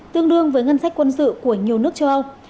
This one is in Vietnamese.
tương đương với ngân sách quân sự của nhiều nước châu âu